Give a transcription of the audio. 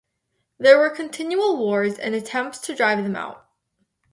There were continual wars and attempts to drive them out.